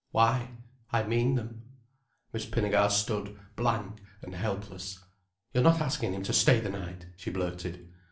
"Why? I mean them." Miss Pinnegar stood blank and helpless. "You're not asking him to stay the night," she blurted.